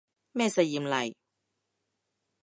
咩實驗嚟